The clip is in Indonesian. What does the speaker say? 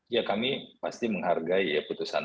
ya kami pasti menghargai ya putusan